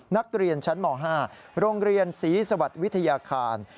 นักเรียนชั้นม๕โรงเรียนศรีสวัสดิ์วิทยาคาร